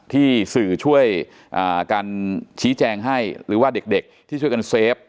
ที่สื่อช่วยกันชี้แจงให้หรือว่าเด็กที่ช่วยกันเซฟ